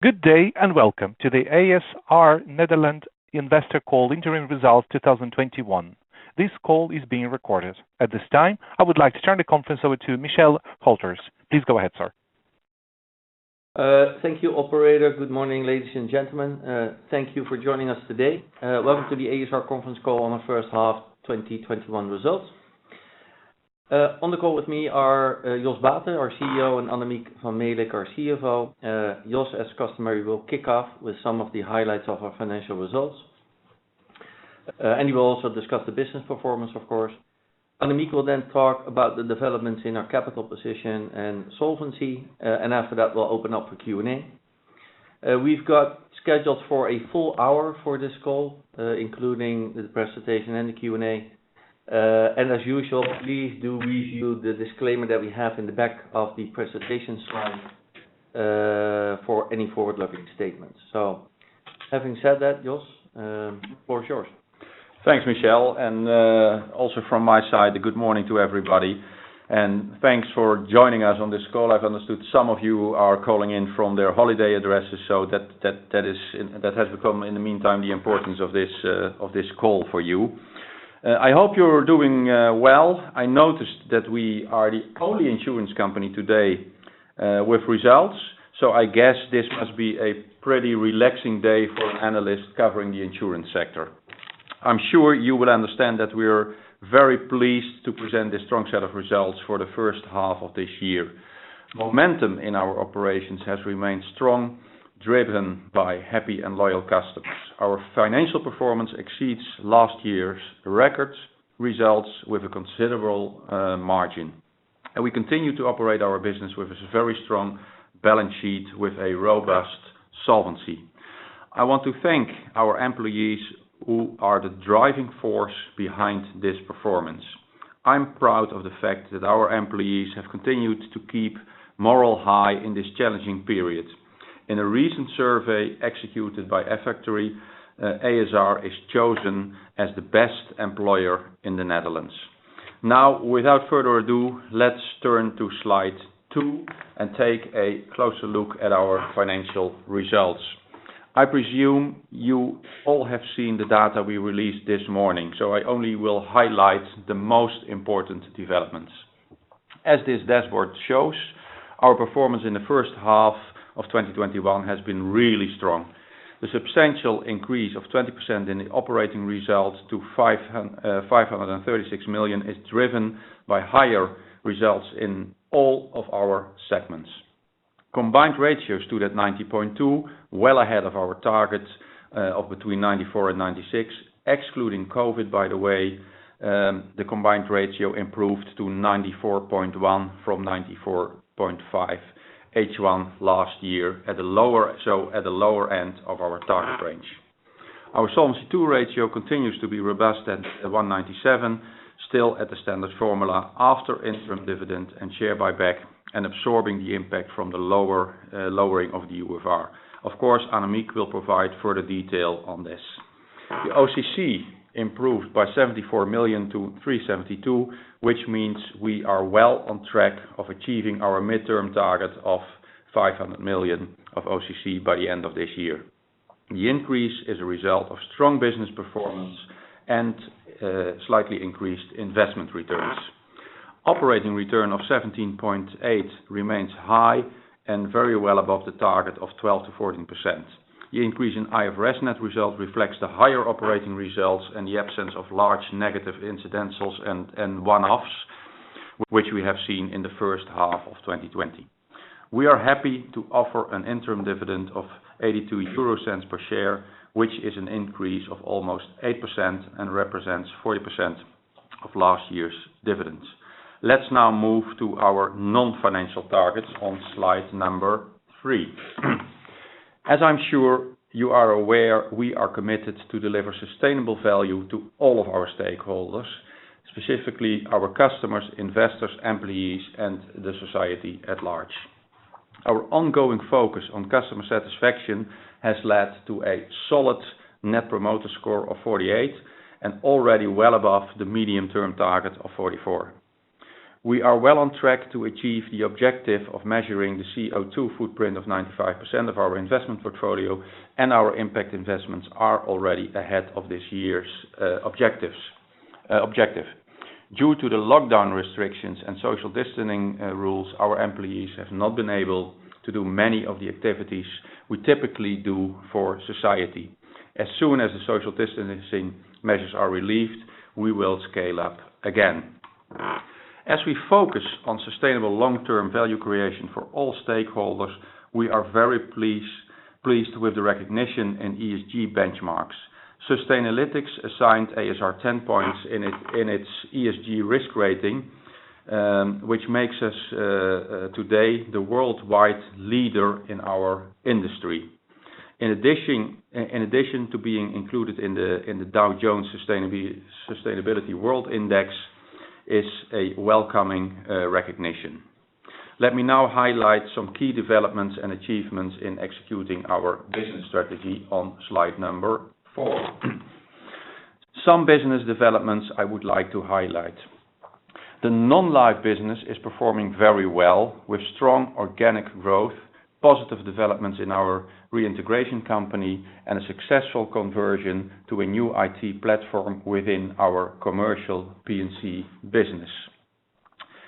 Good day and welcome to the ASR Nederland investor call interim results 2021. This call is being recorded. At this time, I would like to turn the conference over to Michel Hülters. Please go ahead, sir. Thank you, operator. Good morning, ladies and gentlemen. Thank you for joining us today. Welcome to the ASR conference call on the first half 2021 results. On the call with me are Jos Baeten, our CEO, and Annemiek van Melick, our CFO. Jos, as customary, will kick off with some of the highlights of our financial results. He will also discuss the business performance, of course. Annemiek will then talk about the developments in our capital position and solvency. After that, we'll open up for Q&A. We've got scheduled for a full hour for this call, including the presentation and the Q&A. As usual, please do review the disclaimer that we have in the back of the presentation slide for any forward-looking statements. Having said that, Jos, the floor is yours. Thanks, Michel. Also from my side, good morning to everybody, and thanks for joining us on this call. I've understood some of you are calling in from their holiday addresses, so that has become, in the meantime, the importance of this call for you. I hope you're doing well. I noticed that we are the only insurance company today with results, so I guess this must be a pretty relaxing day for an analyst covering the insurance sector. I'm sure you will understand that we're very pleased to present this strong set of results for the first half of this year. Momentum in our operations has remained strong, driven by happy and loyal customers. Our financial performance exceeds last year's record results with a considerable margin. We continue to operate our business with a very strong balance sheet with a robust solvency. I want to thank our employees who are the driving force behind this performance. I'm proud of the fact that our employees have continued to keep morale high in this challenging period. In a recent survey executed by Effectory, ASR is chosen as the best employer in the Netherlands. Now, without further ado, let's turn to slide two and take a closer look at our financial results. I presume you all have seen the data we released this morning, so I only will highlight the most important developments. As this dashboard shows, our performance in the first half of 2021 has been really strong. The substantial increase of 20% in the operating results to 536 million is driven by higher results in all of our segments. Combined ratio stood at 90.2%, well ahead of our targets of between 94% and 96%, excluding COVID. By the way, the combined ratio improved to 94.1% from 94.5% H1 last year, so at the lower end of our target range. Our Solvency II ratio continues to be robust at 197%, still at the standard formula after interim dividend and share buyback and absorbing the impact from the lowering of the UFR. Of course, Annemiek will provide further detail on this. The OCC improved by 74 million to 372 million, which means we are well on track of achieving our midterm target of 500 million of OCC by the end of this year. The increase is a result of strong business performance and slightly increased investment returns. Operating return of 17.8% remains high and very well above the target of 12%-14%. The increase in IFRS net results reflects the higher operating results and the absence of large negative incidentals and one-offs, which we have seen in the first half of 2020. We are happy to offer an interim dividend of 0.82 per share, which is an increase of almost 8% and represents 40% of last year's dividends. Let's now move to our non-financial targets on slide number three. As I'm sure you are aware, we are committed to deliver sustainable value to all of our stakeholders, specifically our customers, investors, employees, and the society at large. Our ongoing focus on customer satisfaction has led to a solid Net Promoter Score of 48, and already well above the medium-term target of 44. We are well on track to achieve the objective of measuring the CO2 footprint of 95% of our investment portfolio, and our impact investments are already ahead of this year's objective. Due to the lockdown restrictions and social distancing rules, our employees have not been able to do many of the activities we typically do for society. As soon as the social distancing measures are relieved, we will scale up again. As we focus on sustainable long-term value creation for all stakeholders, we are very pleased with the recognition in ESG benchmarks. Sustainalytics assigned ASR 10 points in its ESG risk rating, which makes us today the worldwide leader in our industry. In addition to being included in the Dow Jones Sustainability World Index is a welcoming recognition. Let me now highlight some key developments and achievements in executing our business strategy on slide number four. Some business developments I would like to highlight. The non-life business is performing very well, with strong organic growth, positive developments in our reintegration company, and a successful conversion to a new IT platform within our commercial P&C business.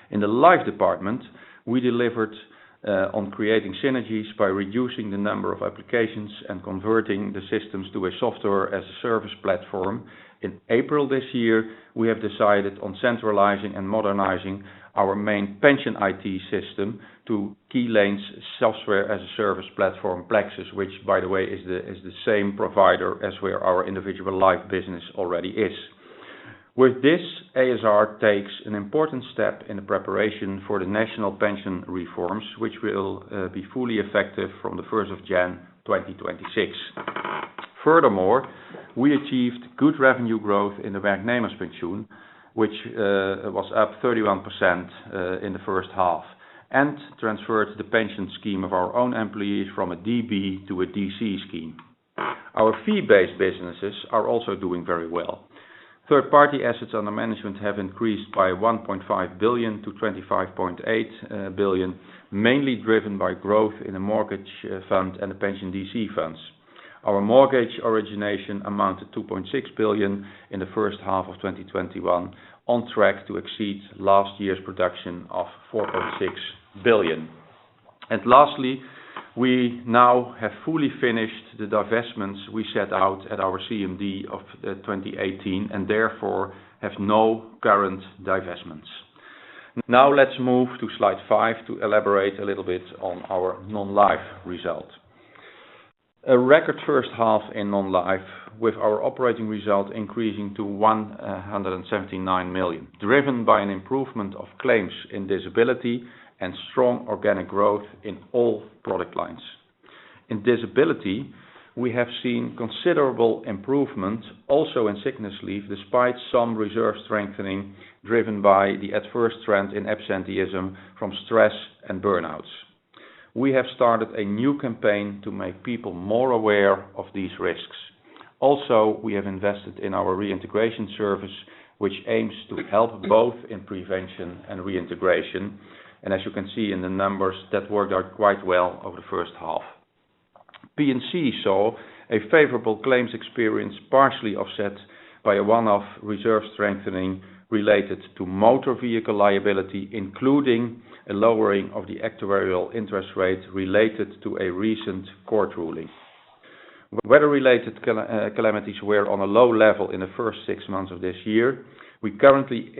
In the life department, we delivered on creating synergies by reducing the number of applications and converting the systems to a software-as-a-service platform. In April this year, we have decided on centralizing and modernizing our main pension IT system to Keylane's software-as-a-service platform, Plexus, which by the way, is the same provider as where our individual life business already is. With this, ASR takes an important step in the preparation for the national pension reforms, which will be fully effective from the 1st of January 2026. Furthermore, we achieved good revenue growth in the Banksparen Pensioen, which was up 31% in the first half, and transferred the pension scheme of our own employees from a DB to a DC scheme. Our fee-based businesses are also doing very well. Third-party assets under management have increased by 1.5 billion to 25.8 billion, mainly driven by growth in the mortgage fund and the pension DC funds. Our mortgage origination amounted to 2.6 billion in the first half of 2021, on track to exceed last year's production of 4.6 billion. Lastly, we now have fully finished the divestments we set out at our CMD of 2018 and therefore have no current divestments. Let's move to slide five to elaborate a little bit on our non-life result. A record first half in non-life, with our operating result increasing to 179 million, driven by an improvement of claims in disability and strong organic growth in all product lines. In disability, we have seen considerable improvement also in sickness leave, despite some reserve strengthening driven by the adverse trend in absenteeism from stress and burnouts. We have started a new campaign to make people more aware of these risks. We have invested in our reintegration service, which aims to help both in prevention and reintegration. As you can see in the numbers, that worked out quite well over the first half. P&C saw a favorable claims experience, partially offset by a one-off reserve strengthening related to motor vehicle liability, including a lowering of the actuarial interest rate related to a recent court ruling. Weather-related calamities were on a low level in the first six months of this year. We currently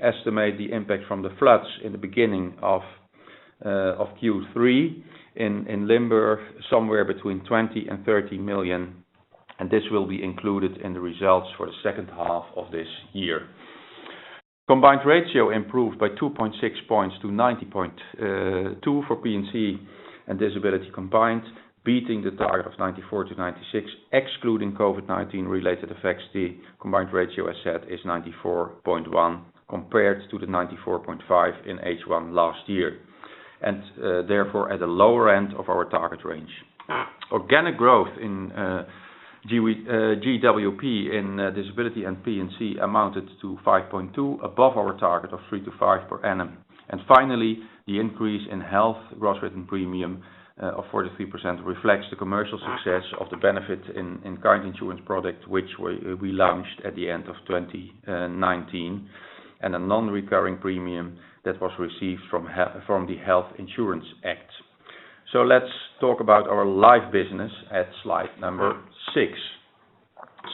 estimate the impact from the floods in the beginning of Q3 in Limburg somewhere between 20 million and 30 million, and this will be included in the results for the second half of this year. Combined ratio improved by 2.6 points to 90.2 for P&C and disability combined, beating the target of 94%-96%. Excluding COVID-19 related effects, the combined ratio, as I said, is 94.1 compared to the 94.5 in H1 last year, and therefore at the lower end of our target range. Organic growth in GWP in disability and P&C amounted to 5.2% above our target of 3%-5% per annum. Finally, the increase in health gross written premium of 43% reflects the commercial success of the benefits in current insurance products, which we launched at the end of 2019, and a non-recurring premium that was received from the Health Insurance Act. Let's talk about our life business at slide number six.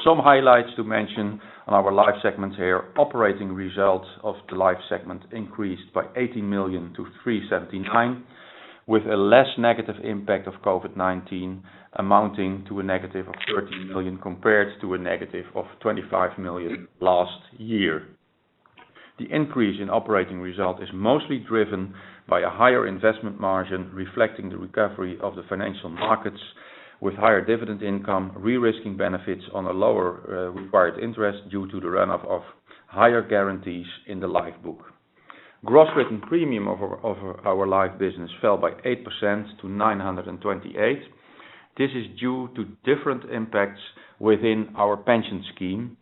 Some highlights to mention on our life segment here. Operating results of the life segment increased by 18 million to 379 million, with a less negative impact of COVID-19 amounting to a negative of 13 million compared to a negative of 25 million last year. The increase in operating result is mostly driven by a higher investment margin reflecting the recovery of the financial markets with higher dividend income, de-risking benefits on a lower required interest due to the run-up of higher guarantees in the lifebook. Gross written premium of our life business fell by 8% to 928 million. This is due to different impacts within our pension scheme.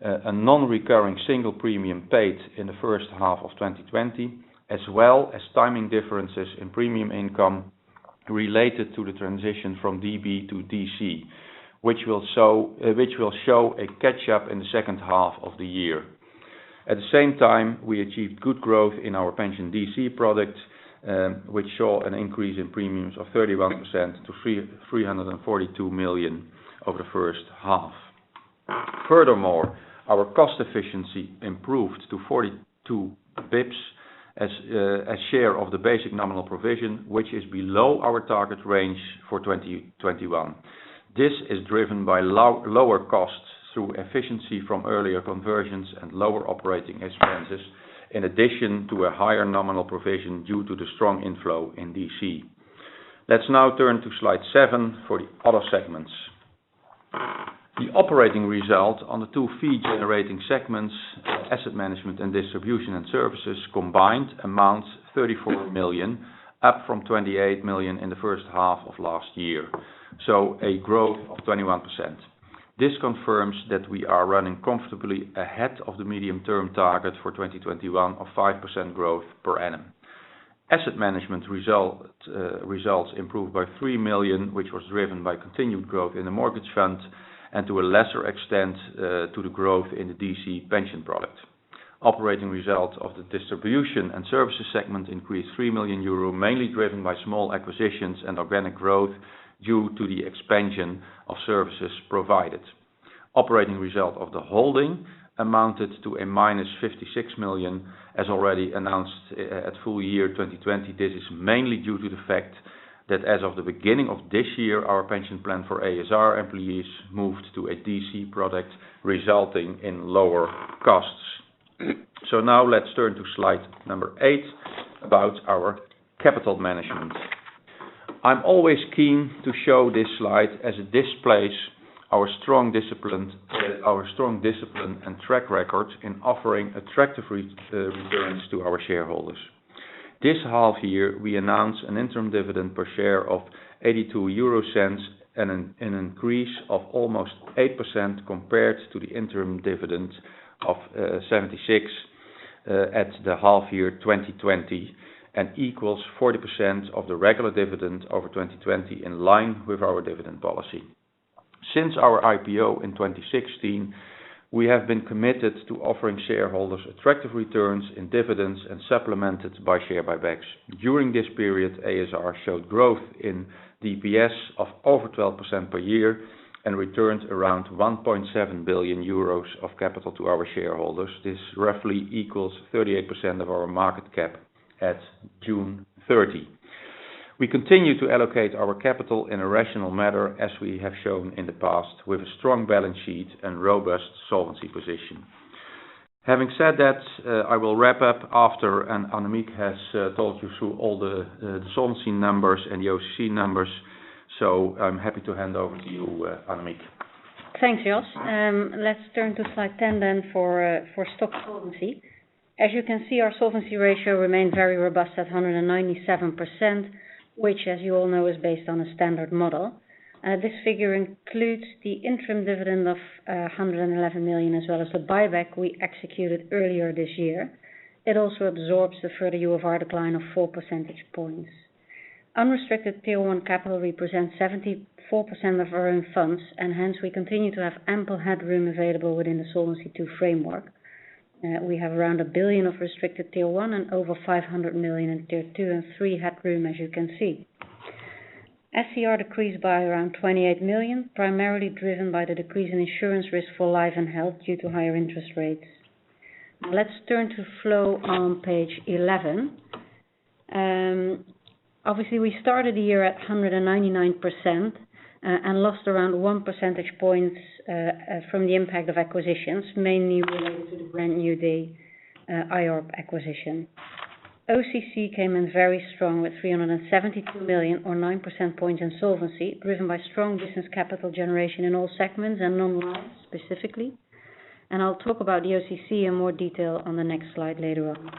A non-recurring single premium paid in the first half of 2020, as well as timing differences in premium income related to the transition from DB to DC, which will show a catch-up in the second half of the year. At the same time, we achieved good growth in our pension DC products, which saw an increase in premiums of 31% to 342 million over the first half. Furthermore, our cost efficiency improved to 42 bps as share of the basic nominal provision, which is below our target range for 2021. This is driven by lower costs through efficiency from earlier conversions and lower operating expenses, in addition to a higher nominal provision due to the strong inflow in DC. Let's now turn to slide seven for the other segments. The operating result on the two fee-generating segments, Asset Management and Distribution and Services, combined amounts 34 million, up from 28 million in the first half of last year. A growth of 21%. This confirms that we are running comfortably ahead of the medium-term target for 2021 of 5% growth per annum. Asset Management results improved by 3 million, which was driven by continued growth in the mortgage front and to a lesser extent, to the growth in the DC pension product. Operating results of the Distribution and Services segment increased 3 million euro, mainly driven by small acquisitions and organic growth due to the expansion of services provided. Operating result of the holding amounted to a minus 56 million, as already announced at full year 2020. This is mainly due to the fact that as of the beginning of this year, our pension plan for ASR employees moved to a DC product, resulting in lower costs. Now let's turn to slide number eight about our capital management. I'm always keen to show this slide as it displays our strong discipline and track record in offering attractive returns to our shareholders. This half year, we announced an interim dividend per share of 0.82 and an increase of almost 8% compared to the interim dividend of 0.76 at the half year 2020, and equals 40% of the regular dividend over 2020, in line with our dividend policy. Since our IPO in 2016, we have been committed to offering shareholders attractive returns in dividends and supplemented by share buybacks. During this period, ASR showed growth in DPS of over 12% per year and returned around 1.7 billion euros of capital to our shareholders. This roughly equals 38% of our market cap at June 30. We continue to allocate our capital in a rational matter, as we have shown in the past, with a strong balance sheet and robust solvency position. Having said that, I will wrap up after Annemiek has talked you through all the solvency numbers and the OCC numbers, so I'm happy to hand over to you, Annemiek. Thanks, Jos. Let's turn to slide 10 for stock solvency. As you can see, our solvency ratio remains very robust at 197%, which, as you all know, is based on a standard model. This figure includes the interim dividend of 111 million, as well as the buyback we executed earlier this year. It also absorbs the further UFR decline of 4 percentage points. Unrestricted Tier 1 capital represents 74% of our own funds, hence we continue to have ample headroom available within the Solvency II framework. We have around 1 billion of restricted Tier 1 and over 500 million in Tier 2 and 3 headroom, as you can see. SCR decreased by around 28 million, primarily driven by the decrease in insurance risk for life and health due to higher interest rates. Let's turn to flow on page 11. Obviously, we started the year at 199%, lost around 1 percentage point from the impact of acquisitions, mainly related to the Brand New Day IORP acquisition. OCC came in very strong with 372 million or 9 percentage points in solvency, driven by strong business capital generation in all segments and non-life specifically. I'll talk about the OCC in more detail on the next slide later on.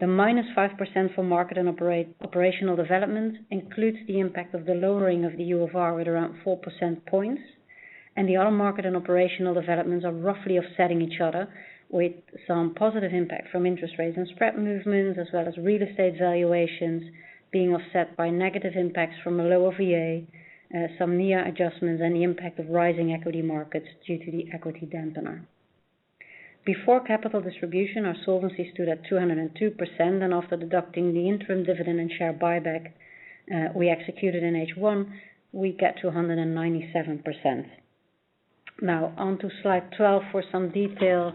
The -5% for market and operational development includes the impact of the lowering of the UFR with around 4 percentage points, and the other market and operational developments are roughly offsetting each other with some positive impact from interest rates and spread movements, as well as real estate valuations being offset by negative impacts from a lower VA, some NIA adjustments and the impact of rising equity markets due to the equity dampener. Before capital distribution, our solvency stood at 202%, and after deducting the interim dividend and share buyback we executed in H1, we get to 197%. On to slide 12 for some detail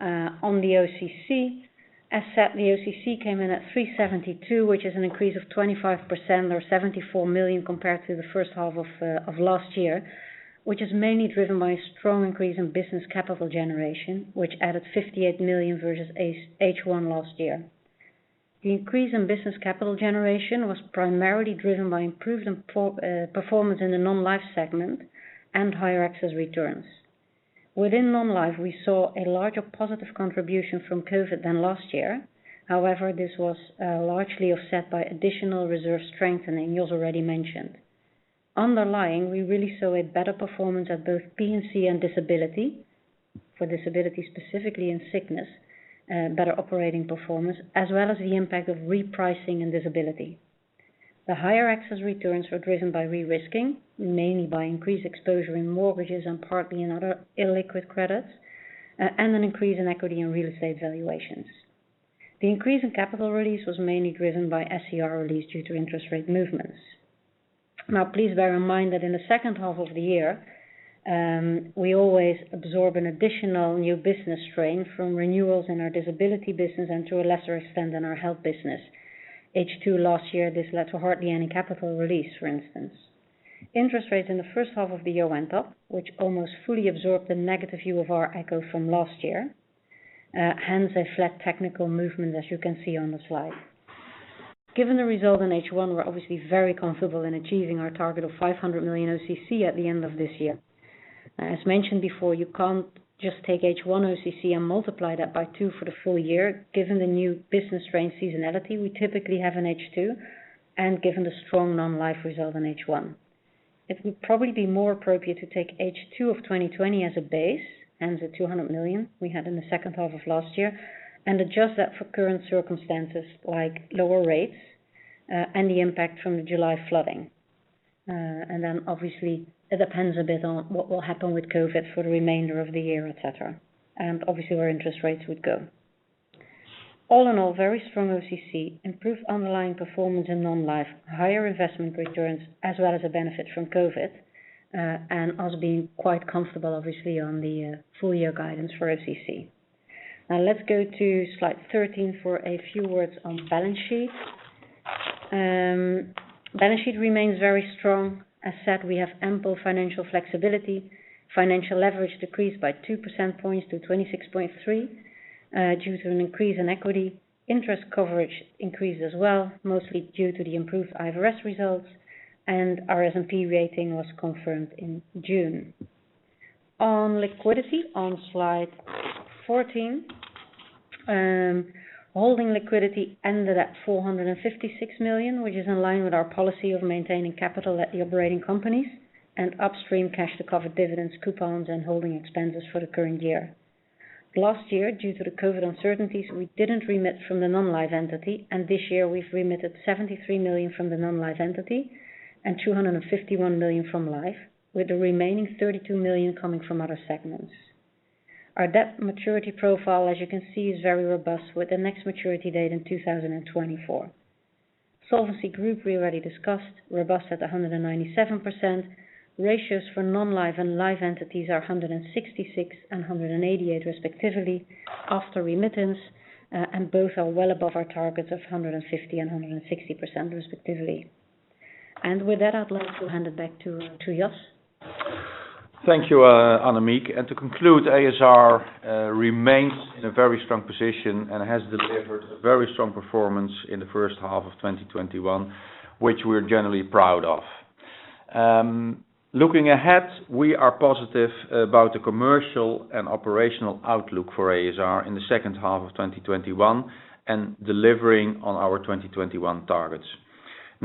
on the OCC. As said, the OCC came in at 372, which is an increase of 25% or 74 million compared to the first half of last year, which is mainly driven by a strong increase in business capital generation, which added 58 million versus H1 last year. The increase in business capital generation was primarily driven by improved performance in the non-life segment and higher excess returns. Within non-life, we saw a larger positive contribution from COVID than last year. This was largely offset by additional reserve strengthening Jos already mentioned. Underlying, we really saw a better performance at both P&C and disability. For disability, specifically in sickness, better operating performance as well as the impact of repricing and disability. The higher excess returns were driven by risk-taking, mainly by increased exposure in mortgages and partly in other illiquid credits, and an increase in equity in real estate valuations. The increase in capital release was mainly driven by SCR release due to interest rate movements. Now please bear in mind that in the second half of the year, we always absorb an additional new business strain from renewals in our disability business and to a lesser extent in our health business. H2 last year, this led to hardly any capital release, for instance. Interest rates in the first half of the year went up, which almost fully absorbed the negative UFR echo from last year. A flat technical movement, as you can see on the slide. Given the result in H1, we're obviously very comfortable in achieving our target of 500 million OCC at the end of this year. As mentioned before, you can't just take H1 OCC and multiply that by 2 for the full year, given the new business range seasonality we typically have in H2, and given the strong non-life result in H1. It would probably be more appropriate to take H2 of 2020 as a base and the 200 million we had in the second half of last year, and adjust that for current circumstances like lower rates and the impact from the July flooding. Obviously, it depends a bit on what will happen with COVID for the remainder of the year, et cetera, and obviously where interest rates would go. All in all, very strong OCC, improved underlying performance in non-life, higher investment returns, as well as a benefit from COVID, and us being quite comfortable obviously on the full year guidance for OCC. Now let's go to slide 13 for a few words on balance sheet. Balance sheet remains very strong. As said, we have ample financial flexibility. Financial leverage decreased by 2% points to 26.3 due to an increase in equity. Interest coverage increased as well, mostly due to the improved IFRS results, and our S&P rating was confirmed in June. On liquidity, on slide 14. Holding liquidity ended at 456 million, which is in line with our policy of maintaining capital at the operating companies, and upstream cash to cover dividends, coupons, and holding expenses for the current year. Last year, due to the COVID uncertainties, we didn't remit from the non-life entity, and this year we've remitted 73 million from the non-life entity and 251 million from life, with the remaining 32 million coming from other segments. Our debt maturity profile, as you can see, is very robust, with the next maturity date in 2024. Solvency group we already discussed, robust at 197%. Ratios for non-life and life entities are 166% and 188% respectively after remittance, and both are well above our targets of 150% and 160% respectively. With that, I'd like to hand it back to Jos. Thank you, Annemiek. To conclude, ASR remains in a very strong position and has delivered a very strong performance in the first half of 2021, which we're generally proud of. Looking ahead, we are positive about the commercial and operational outlook for ASR in the second half of 2021 and delivering on our 2021 targets.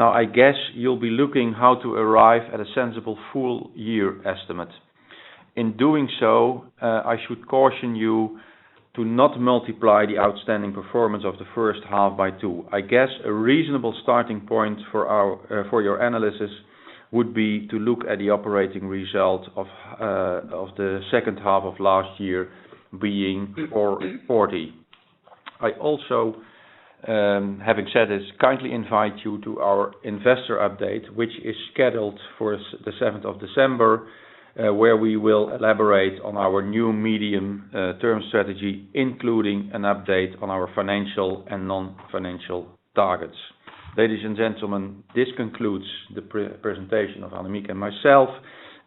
I guess you'll be looking how to arrive at a sensible full year estimate. In doing so, I should caution you to not multiply the outstanding performance of the first half by two. I guess a reasonable starting point for your analysis would be to look at the operating result of the second half of last year being 40. I also, having said this, kindly invite you to our investor update, which is scheduled for the 7th of December, where we will elaborate on our new medium-term strategy, including an update on our financial and non-financial targets. Ladies and gentlemen, this concludes the presentation of Annemiek and myself,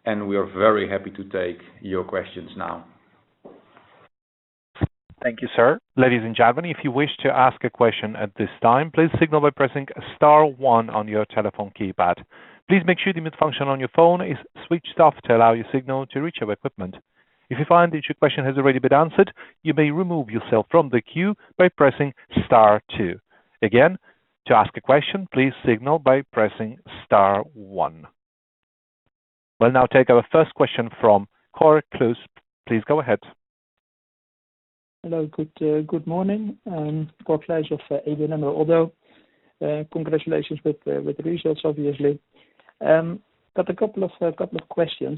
and we are very happy to take your questions now. Thank you, sir. Ladies and gentlemen, if you wish to ask a question at this time, please signal by pressing star one on your telephone keypad. Please make sure the mute function on your phone is switched off to allow your signal to reach our equipment. If you find that your question has already been answered, you may remove yourself from the queue by pressing star two. Again, to ask a question, please signal by pressing star one. We'll now take our first question from Cor Kluis. Please go ahead. Hello. Good morning. Cor Kluis of ABN AMRO. Congratulations with the results, obviously. I've got a couple of questions.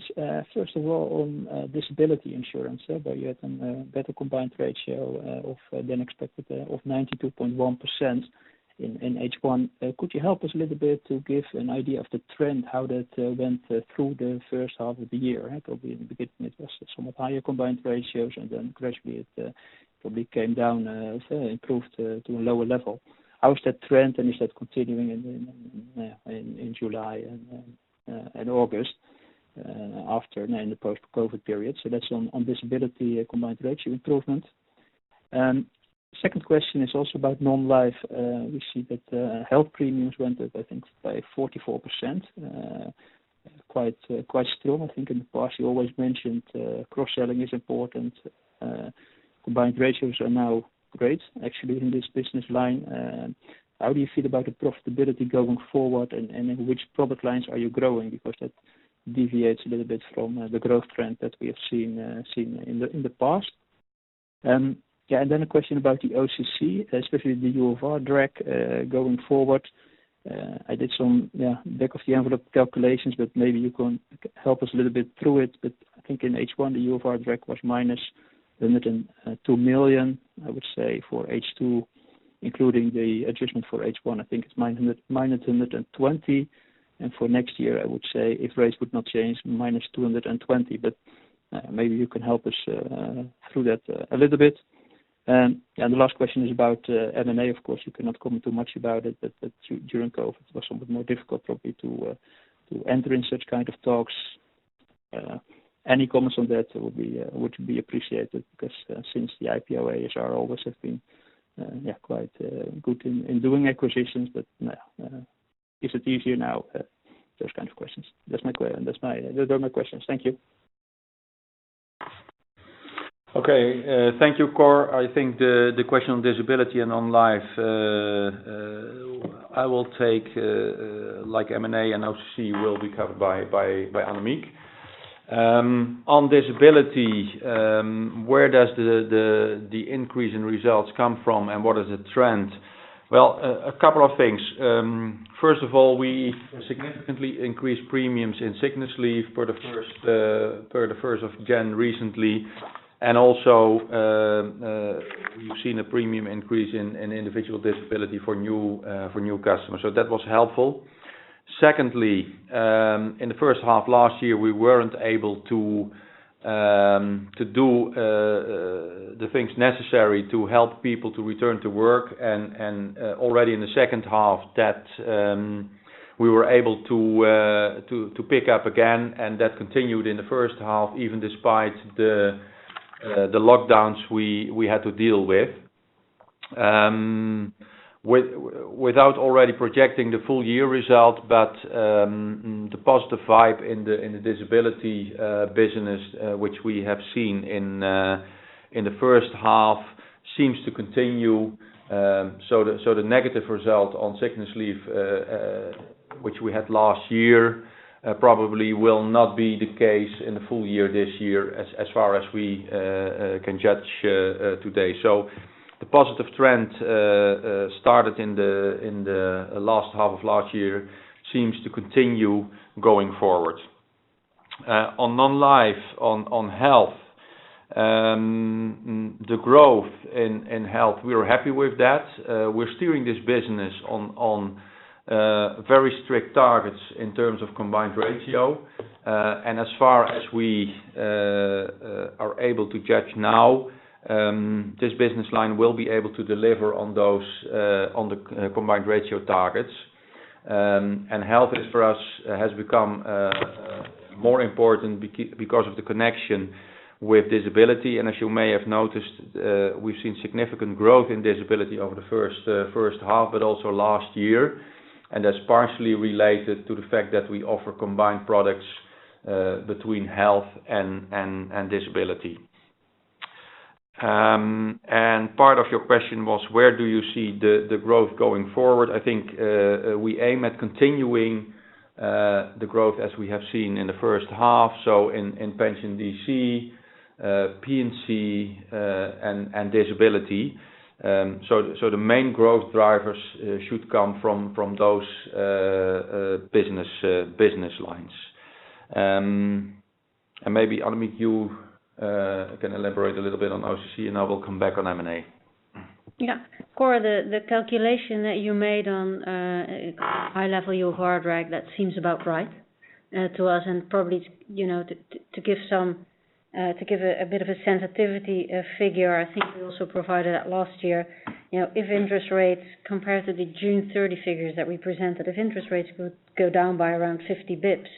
First of all, on disability insurance, where you had some better combined ratio than expected of 92.1% in H1. Could you help us a little bit to give an idea of the trend, how that went through the first half of the year? Probably in the beginning it was somewhat higher combined ratios. Then gradually it probably came down, improved to a lower level. How is that trend? Is that continuing in July and August, in the post-COVID period? That's on disability combined ratio improvement. Second question is also about non-life. We see that health premiums went up, I think by 44%, quite strong. I think in the past you always mentioned cross-selling is important. Combined ratios are now great, actually, in this business line. How do you feel about the profitability going forward, and in which product lines are you growing? That deviates a little bit from the growth trend that we have seen in the past. A question about the OCC, especially the UFR drag going forward. I did some back-of-the-envelope calculations, but maybe you can help us a little bit through it. I think in H1, the UFR drag was -202 million, I would say for H2, including the adjustment for H1, I think it's -120. For next year, I would say if rates would not change, -220. Maybe you can help us through that a little bit. The last question is about M&A. Of course, you cannot comment too much about it, but during COVID, it was somewhat more difficult probably to enter in such kind of talks. Any comments on that would be appreciated, because since the IPO, ASR always have been quite good in doing acquisitions. Is it easier now? Those kinds of questions. Those are my questions. Thank you. Okay. Thank you, Cor. I think the question on disability and on life, I will take like M&A, and OCC will be covered by Annemiek. On disability, where does the increase in results come from, and what is the trend? Well, a couple of things. First of all, we significantly increased premiums in sickness leave for the 1st of January recently. Also, we've seen a premium increase in individual disability for new customers. That was helpful. Secondly, in the first half last year, we weren't able to do the things necessary to help people to return to work. Already in the second half, we were able to pick up again, and that continued in the first half, even despite the lockdowns we had to deal with. Without already projecting the full year result, but the positive vibe in the disability business, which we have seen in the first half, seems to continue. The negative result on sickness leave, which we had last year, probably will not be the case in the full year this year, as far as we can judge today. The positive trend started in the last half of last year seems to continue going forward. On non-life, on health, the growth in health, we are happy with that. We are steering this business on very strict targets in terms of combined ratio. As far as we are able to judge now, this business line will be able to deliver on the combined ratio targets. Health for us has become more important because of the connection with disability. As you may have noticed, we've seen significant growth in disability over the first half, but also last year. That's partially related to the fact that we offer combined products between health and disability. Part of your question was, where do you see the growth going forward? I think we aim at continuing the growth as we have seen in the first half, so in pension DC, P&C, and disability. The main growth drivers should come from those business lines. Maybe, Annemiek, you can elaborate a little bit on OCC, and I will come back on M&A. Yeah. Cor, the calculation that you made on high-level UFR drag, that seems about right to us. Probably to give a bit of a sensitivity figure, I think we also provided that last year. Compared to the June 30 figures that we presented, if interest rates would go down by around 50 basis points,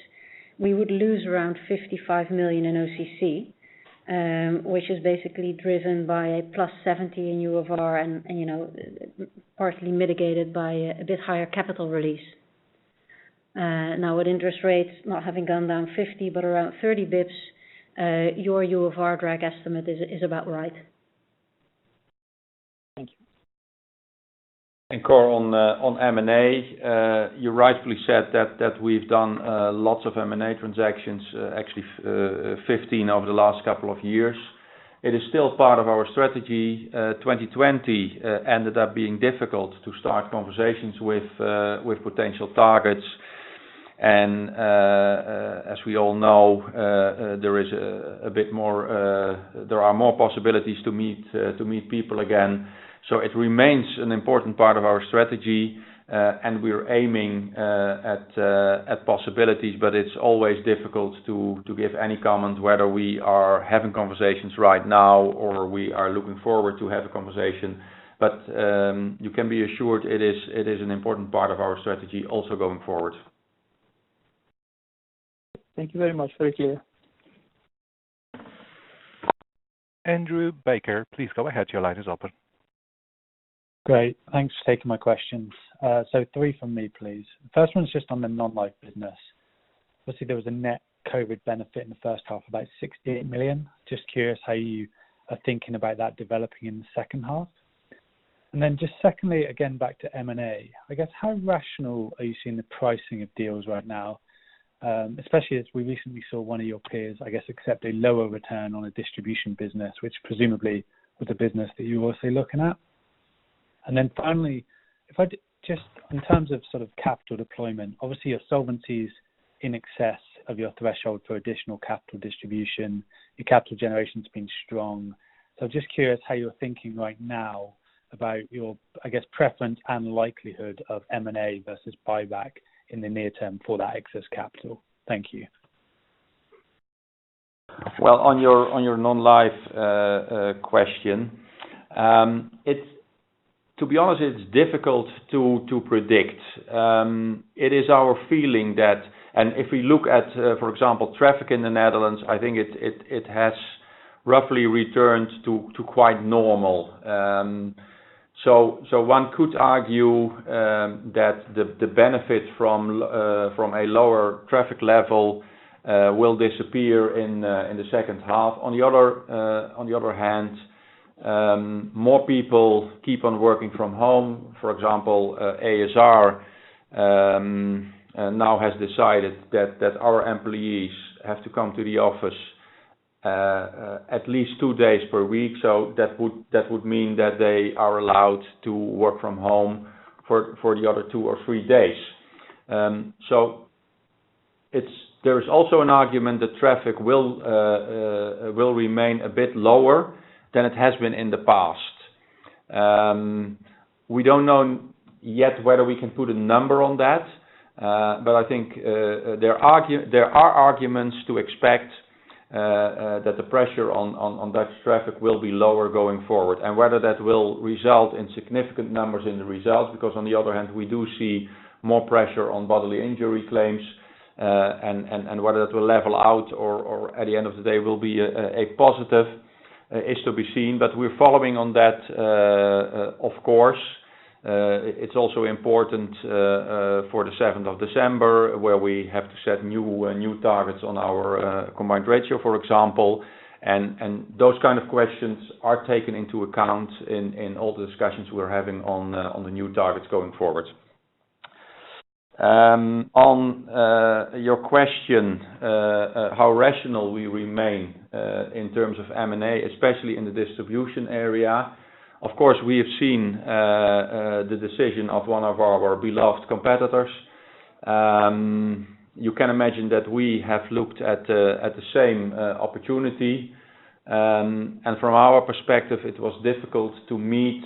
we would lose around 55 million in OCC, which is basically driven by a +70 in UFR and partly mitigated by a bit higher capital release. With interest rates not having gone down 50 but around 30 basis points, your UFR drag estimate is about right. Thank you. Cor, on M&A, you rightfully said that we've done lots of M&A transactions, actually 15 over the last couple of years. It is still part of our strategy. 2020 ended up being difficult to start conversations with potential targets. As we all know, there are more possibilities to meet people again. It remains an important part of our strategy, and we're aiming at possibilities, but it's always difficult to give any comment whether we are having conversations right now or we are looking forward to have a conversation. You can be assured it is an important part of our strategy also going forward. Thank you very much. Very clear. Andrew Baker, please go ahead. Your line is open. Great. Thanks for taking my questions. Three from me, please. first one's just on the non-life business. Obviously, there was a net COVID benefit in the first half, about 68 million. Just curious how you are thinking about that developing in the second half. Just second, again back to M&A, I guess how rational are you seeing the pricing of deals right now? Especially as we recently saw one of your peers, I guess, accept a lower return on a distribution business, which presumably was a business that you were also looking at. Finally, just in terms of capital deployment, obviously your solvency is in excess of your threshold for additional capital distribution. Your capital generation's been strong. Just curious how you're thinking right now about your, I guess, preference and likelihood of M&A versus buyback in the near term for that excess capital. Thank you. Well, on your non-life question, it's, to be honest, it's difficult to predict. It is our feeling that, and if we look at, for example, traffic in the Netherlands, I think it has roughly returned to quite normal. One could argue that the benefit from a lower traffic level will disappear in the second half. On the other hand, more people keep on working from home. For example, ASR now has decided that our employees have to come to the office at least two days per week. That would mean that they are allowed to work from home for the other two or three days. There's also an argument that traffic will remain a bit lower than it has been in the past. We don't know yet whether we can put a number on that. I think there are arguments to expect that the pressure on motor vehicle liability will be lower going forward, and whether that will result in significant numbers in the results, because on the other hand, we do see more pressure on bodily injury claims, and whether that will level out or at the end of the day will be a positive, is to be seen. We're following on that, of course. It's also important for the 7th of December where we have to set new targets on our combined ratio, for example, and those kind of questions are taken into account in all the discussions we're having on the new targets going forward. On your question, how rational we remain in terms of M&A, especially in the distribution area. Of course, we have seen the decision of one of our beloved competitors. You can imagine that we have looked at the same opportunity. From our perspective, it was difficult to meet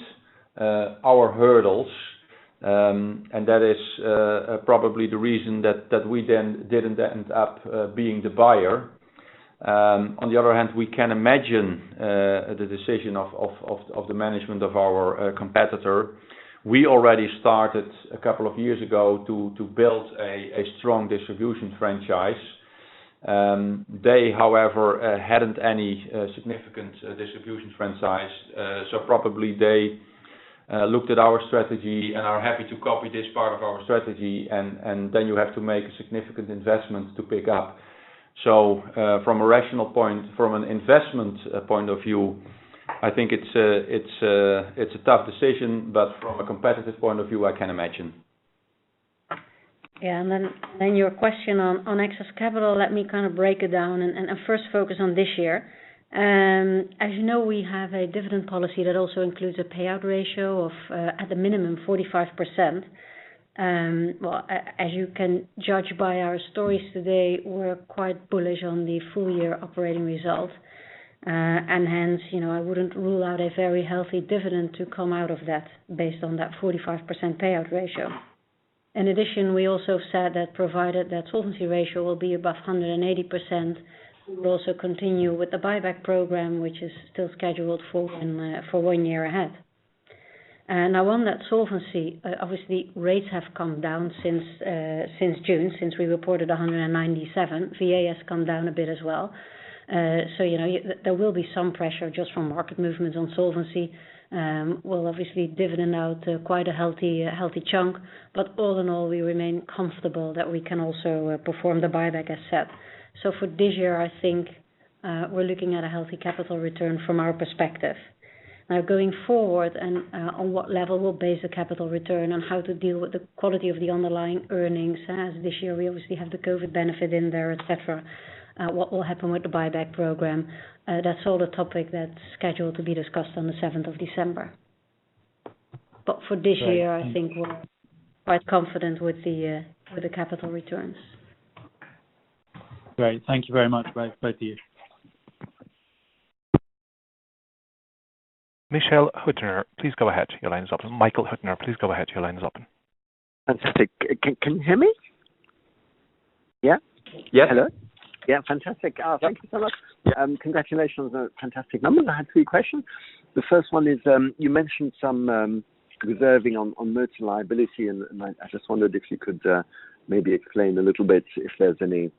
our hurdles. That is probably the reason that we then didn't end up being the buyer. On the other hand, we can imagine the decision of the management of our competitor. We already started a couple of years ago to build a strong distribution franchise. They, however, hadn't any significant distribution franchise. Probably they looked at our strategy and are happy to copy this part of our strategy, and then you have to make significant investments to pick up. From an investment point of view, I think it's a tough decision, but from a competitive point of view, I can imagine. Yeah. Then your question on excess capital, let me break it down and first focus on this year. As you know, we have a dividend policy that also includes a payout ratio of at the minimum 45%. Well, as you can judge by our stories today, we're quite bullish on the full-year operating results. Hence, I wouldn't rule out a very healthy dividend to come out of that based on that 45% payout ratio. In addition, we also said that provided that solvency ratio will be above 180%, we will also continue with the buyback program, which is still scheduled for one year ahead. Now on that solvency, obviously rates have come down since June, since we reported 197%. VA has come down a bit as well. There will be some pressure just from market movements on solvency. We'll obviously dividend out quite a healthy chunk, all in all, we remain comfortable that we can also perform the buyback as set. For this year, I think, we're looking at a healthy capital return from our perspective. Going forward, on what level we'll base the capital return on how to deal with the quality of the underlying earnings as this year, we obviously have the COVID benefit in there, et cetera. What will happen with the buyback program? That's all the topic that's scheduled to be discussed on the 7th of December. For this year, I think we're quite confident with the capital returns. Great. Thank you very much, both of you. Michael Huttner, please go ahead. Your line is open. Fantastic. Can you hear me? Yeah? Yes. Hello? Yeah, fantastic. Thank you so much. Congratulations on the fantastic numbers. I had three questions. The first one is, you mentioned some reserving on motor vehicle liability. I just wondered if you could maybe explain a little bit if there's any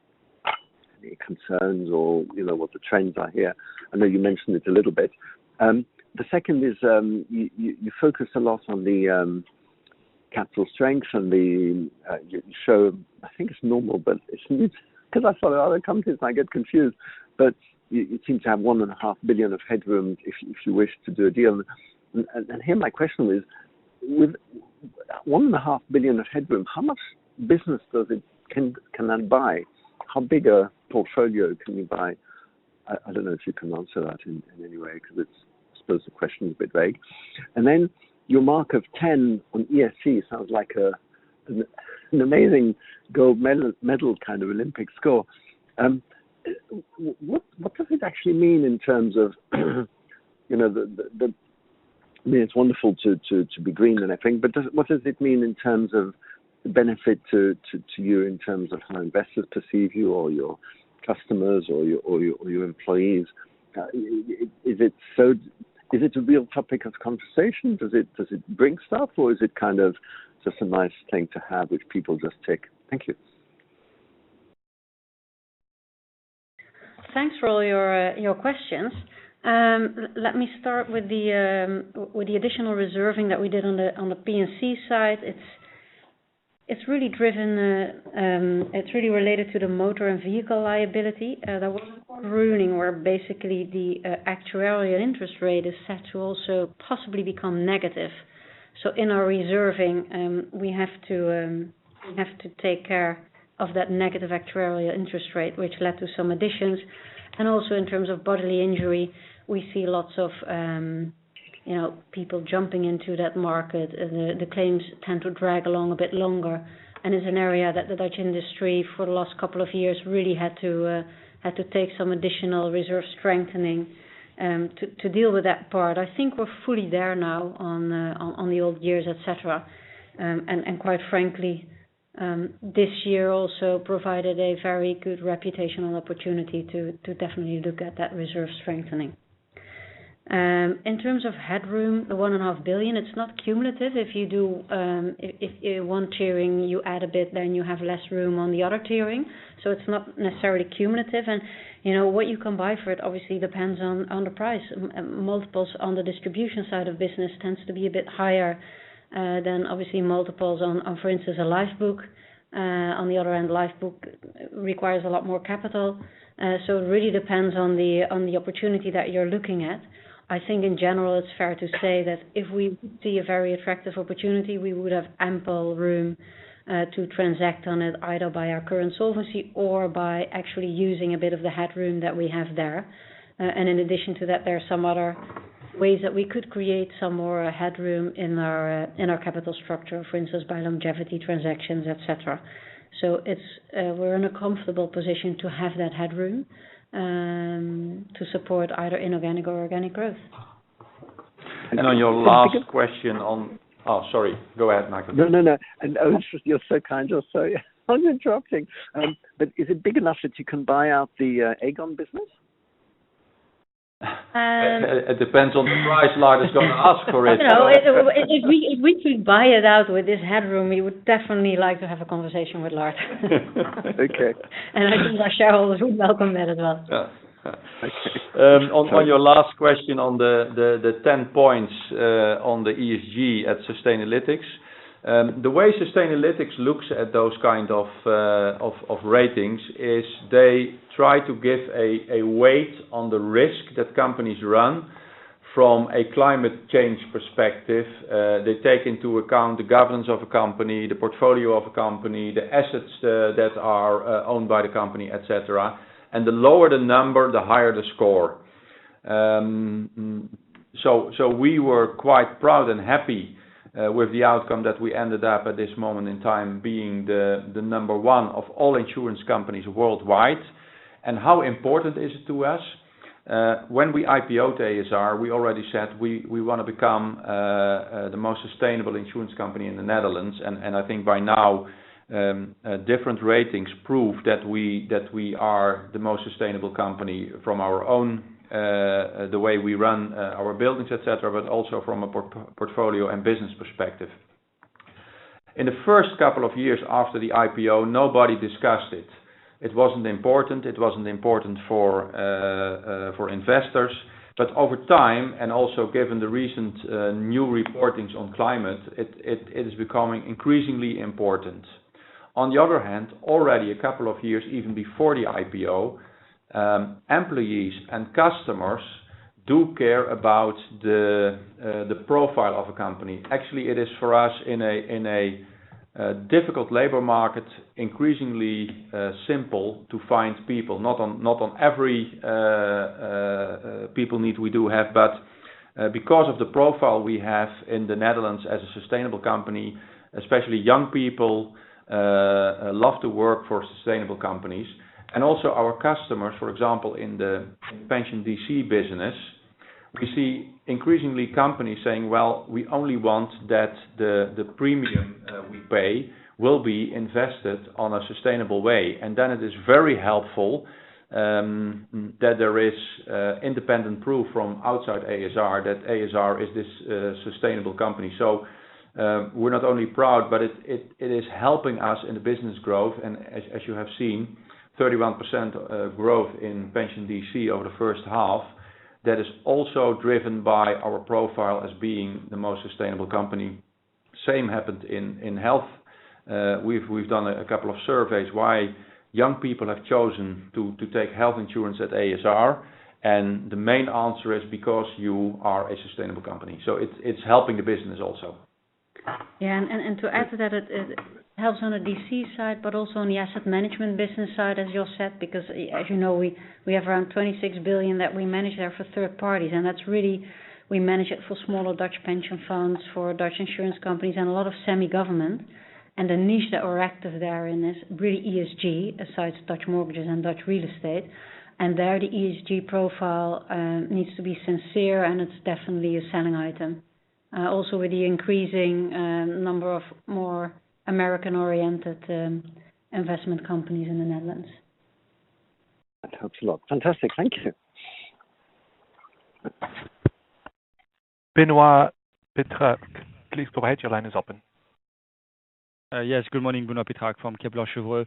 concerns or what the trends are here. I know you mentioned it a little bit. The second is, you focus a lot on the capital strength and the show. I think it's normal, it's because I follow other companies, I get confused. You seem to have 1.5 Billion of headroom if you wish to do a deal. Here my question is, with 1.5 Billion of headroom, how much business can that buy? How big a portfolio can you buy? I don't know if you can answer that in any way, because I suppose the question is a bit vague. Your mark of 10 on ESG sounds like an amazing gold medal kind of Olympic score. What does it actually mean in terms of I mean, it's wonderful to be green and everything, but what does it mean in terms of the benefit to you in terms of how investors perceive you or your customers or your employees? Is it a real topic of conversation? Does it bring stuff or is it kind of just a nice thing to have, which people just tick? Thank you. Thanks for all your questions. Let me start with the additional reserving that we did on the P&C side. It's really related to the motor vehicle liability. There was a court ruling where basically the actuarial interest rate is set to also possibly become negative. In our reserving, we have to take care of that negative actuarial interest rate, which led to some additions. Also in terms of bodily injury, we see lots of people jumping into that market. The claims tend to drag along a bit longer, and it's an area that the Dutch industry for the last couple of years really had to take some additional reserve strengthening to deal with that part. I think we're fully there now on the old years, et cetera. Quite frankly, this year also provided a very good reputational opportunity to definitely look at that reserve strengthening. In terms of headroom, the 1.5 billion, it's not cumulative. If 1 Tier, you add a bit, then you have less room on the other tier, so it's not necessarily cumulative. What you can buy for it obviously depends on the price. Multiples on the distribution side of business tends to be a bit higher than obviously multiples on, for instance, a life book. On the other hand, life book requires a lot more capital. It really depends on the opportunity that you're looking at. I think in general, it's fair to say that if we see a very attractive opportunity, we would have ample room to transact on it, either by our current solvency or by actually using a bit of the headroom that we have there. In addition to that, there are some other ways that we could create some more headroom in our capital structure, for instance, by longevity transactions, et cetera. We're in a comfortable position to have that headroom to support either inorganic or organic growth. On your last question. Oh, sorry. Go ahead, Michael. No. You're so kind. Sorry. I was interrupting. Is it big enough that you can buy out the Aegon business? It depends on the price is going to ask for it. If we could buy it out with this headroom, we would definitely like to have a conversation with Lars. Okay. I think our shareholders would welcome that as well. Yeah. Okay. On your last question on the 10 points on the ESG at Sustainalytics. The way Sustainalytics looks at those kind of ratings is they try to give a weight on the risk that companies run from a climate change perspective. They take into account the governance of a company, the portfolio of a company, the assets that are owned by the company, et cetera, and the lower the number, the higher the score. We were quite proud and happy with the outcome that we ended up at this moment in time being the number one of all insurance companies worldwide. How important is it to us? When we IPO'd ASR, we already said we want to become the most sustainable insurance company in the Netherlands. I think by now, different ratings prove that we are the most sustainable company from our own, the way we run our buildings, et cetera, but also from a portfolio and business perspective. In the first couple of years after the IPO, nobody discussed it. It wasn't important. It wasn't important for investors. Over time, and also given the recent new reportings on climate, it is becoming increasingly important. On the other hand, already a couple of years, even before the IPO, employees and customers do care about the profile of a company. Actually, it is for us in a difficult labor market, increasingly simple to find people. Not on every people need we do have, but because of the profile we have in the Netherlands as a sustainable company, especially young people love to work for sustainable companies. Also our customers, for example, in the pension DC business, we see increasingly companies saying, well, we only want that the premium we pay will be invested on a sustainable way. Then it is very helpful that there is independent proof from outside ASR that ASR is this sustainable company. We're not only proud, but it is helping us in the business growth. As you have seen, 31% growth in pension DC over the first half, that is also driven by our profile as being the most sustainable company. Same happened in health. We've done a couple of surveys why young people have chosen to take health insurance at ASR, and the main answer is because you are a sustainable company. It's helping the business also. Yeah. To add to that, it helps on the DC side, but also on the asset management business side, as Jos said, because as you know, we have around 26 billion that we manage there for third parties. That's really, we manage it for smaller Dutch pension funds, for Dutch insurance companies, and a lot of semi-government. The niche that we're active there in is really ESG, besides Dutch mortgages and Dutch real estate. There, the ESG profile needs to be sincere, and it's definitely a selling item. Also with the increasing number of more American-oriented investment companies in the Netherlands. That helps a lot. Fantastic. Thank you. Benoit Pétrarque, please go ahead. Your line is open. Yes, good morning. Benoit Pétrarque from Kepler Cheuvreux.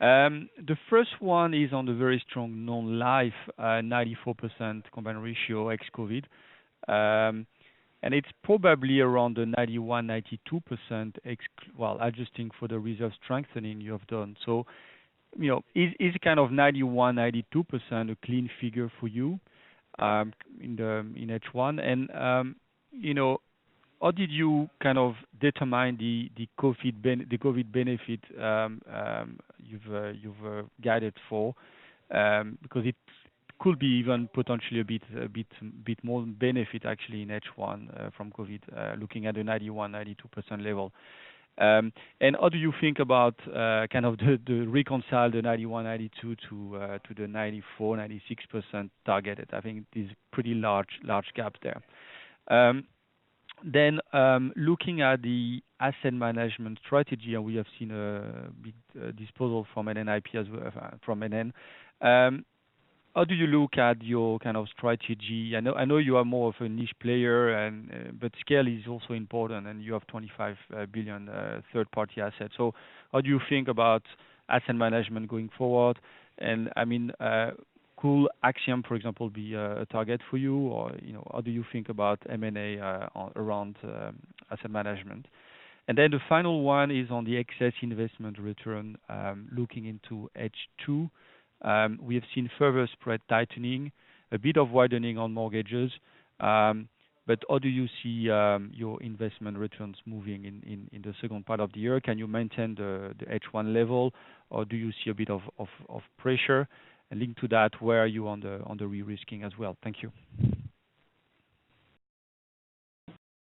The first one is on the very strong non-life, 94% combined ratio ex-COVID. It's probably around the 91%-92% adjusting for the reserve strengthening you have done. Is kind of 91%-92% a clean figure for you in H1? How did you determine the COVID benefit you've guided for? It could be even potentially a bit more benefit actually in H1 from COVID, looking at the 91%-92% level. How do you think about the reconcile the 91%-92% to the 94%-96% targeted? I think there's a pretty large gap there. Looking at the asset management strategy, we have seen a big disposal from NN IP from NN. How do you look at your kind of strategy? I know you are more of a niche player, but scale is also important, you have 25 billion third-party assets. How do you think about asset management going forward? Could [ACTIAM], for example, be a target for you? How do you think about M&A around asset management? The final one is on the excess investment return looking into H2. We have seen further spread tightening, a bit of widening on mortgages. How do you see your investment returns moving in the second part of the year? Can you maintain the H1 level, or do you see a bit of pressure linked to that? Where are you on the re-risking as well? Thank you.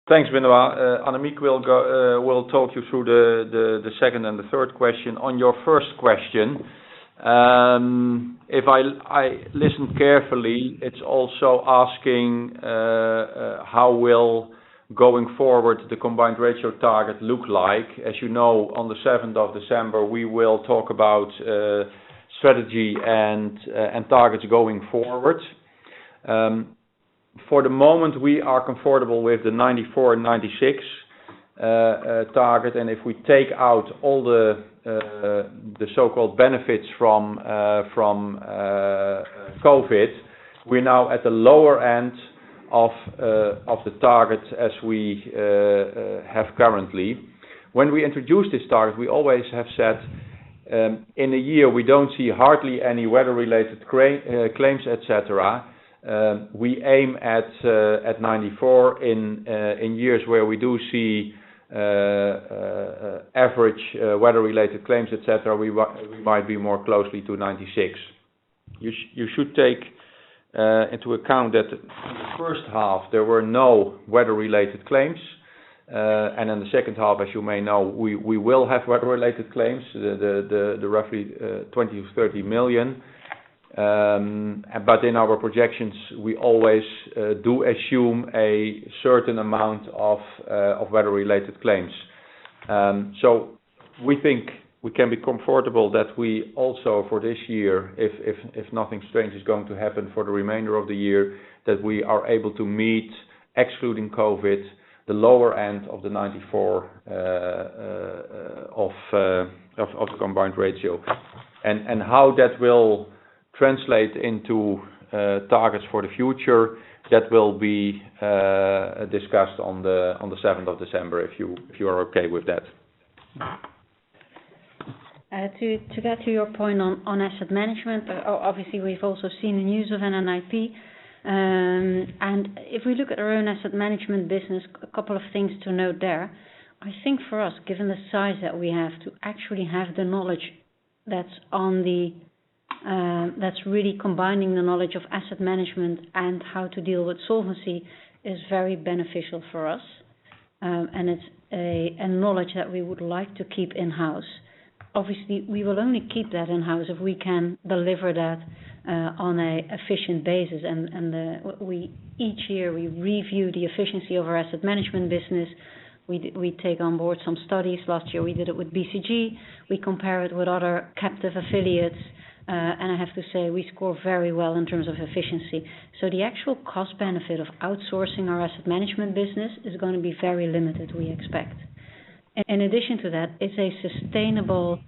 Thanks, Benoit. Annemiek will talk you through the second and the third question. On your first question, if I listen carefully, it's also asking how will, going forward, the combined ratio target look like. As you know, on the 7th of December, we will talk about strategy and targets going forward. For the moment, we are comfortable with the 94%-96% target, and if we take out all the so-called benefits from COVID, we're now at the lower end of the target as we have currently. When we introduced this target, we always have said, in a year, we don't see hardly any weather-related claims, et cetera, we aim at 94%. In years where we do see average weather-related claims, et cetera, we might be more closely to 96%. You should take into account that in the first half, there were no weather-related claims. In the second half, as you may know, we will have weather-related claims, the roughly 20 million-30 million. In our projections, we always do assume a certain amount of weather-related claims. We think we can be comfortable that we also, for this year, if nothing strange is going to happen for the remainder of the year, that we are able to meet, excluding COVID, the lower end of the 94% of combined ratio. How that will translate into targets for the future, that will be discussed on the 7th of December, if you are okay with that. To get to your point on asset management, obviously we've also seen the news of NN IP. If we look at our own asset management business, a couple of things to note there. I think for us, given the size that we have to actually have the knowledge that's really combining the knowledge of asset management and how to deal with solvency is very beneficial for us. It's a knowledge that we would like to keep in-house. Obviously, we will only keep that in-house if we can deliver that on an efficient basis. Each year, we review the efficiency of our asset management business. We take on board some studies. Last year we did it with BCG. We compare it with other captive affiliates. I have to say, we score very well in terms of efficiency. The actual cost benefit of outsourcing our asset management business is going to be very limited, we expect. In addition to that, it's a sustainable